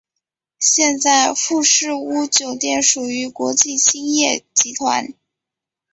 现在富士屋酒店属于国际兴业集团。